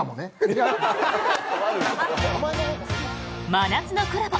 真夏のコラボ